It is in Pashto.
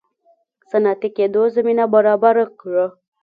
صنعتي کېدو زمینه برابره کړه.